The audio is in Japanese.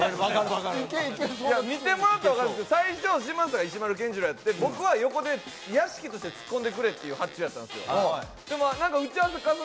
見てもらったら分かるんだけど、最初は嶋佐が石丸謙二郎やって、僕は隣で屋敷としてツッコンでくれって発注やったんですよ。